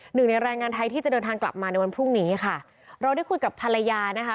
หนึ่งในแรงงานไทยที่จะเดินทางกลับมาในวันพรุ่งนี้ค่ะเราได้คุยกับภรรยานะคะ